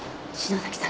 篠崎さん